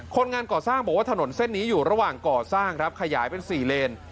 คนงานก่อสร้างบอกว่าถนนเส้นนี้อยู่ระหว่างก่อสร้างครับขยายเป็น๔เลน